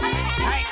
はい！